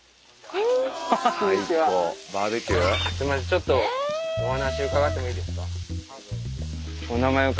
ちょっとお話伺ってもいいですか。